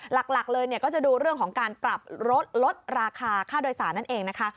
หลักเลยเนี่ยก็จะดูเรื่องของการปรับลดลดราคาค่าโดยสารนั่นเองนะคะ